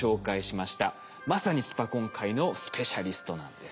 まさにスパコン界のスペシャリストなんです。